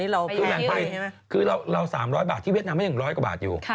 เรา๓๐๐บาทที่เวียดนามไม่อย่าง๑๐๐กว่าบาทอยู่